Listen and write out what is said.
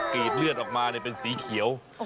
กรีดเลือดออกมาเป็นสีเขียว